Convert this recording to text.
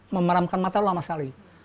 memeramkan mata lama sekali